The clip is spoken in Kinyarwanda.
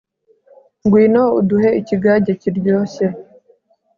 ngwino uduhe ikigage kiryoshye